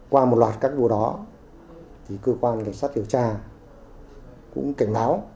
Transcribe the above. qua một loạt các vụ đó thì cơ quan kiểm soát điều tra cũng cảnh báo